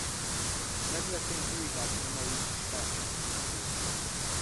A területén druidák nyomai is felfedezhetők.